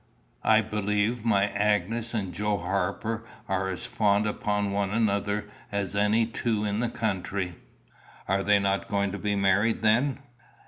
I believe my Agnes and Joe Harper are as fond upon one another as any two in the county." "Are they not going to be married then?"